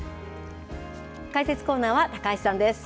解説コーナーは高橋さんです。